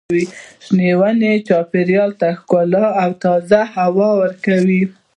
شنې ونې چاپېریال ته ښکلا او تازه هوا ورکوي.